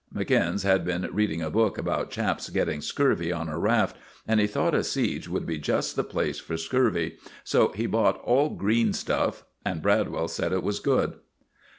(McInnes had been reading a book about chaps getting scurvy on a raft, and he thought a siege would be just the place for scurvy, so he bought all green stuff; and Bradwell said it was good.)